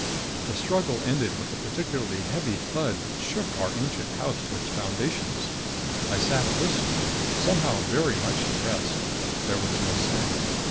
The struggle ended with a particularly heavy thud that shook our ancient house to its foundations. I sat listening, somehow very much depressed. There was no sound.